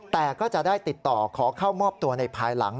แต่ก็จะได้ติดต่อขอเข้ามอบตัวในภายหลัง